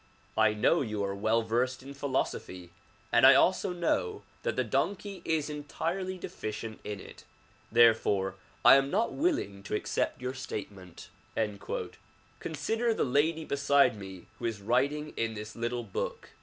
I know that you are well versed in philosophy and I also know that the donkey is entirely deficient in it; there fore I am not willing to accept your statement. '' Consider the lady beside me who is writing in this little book.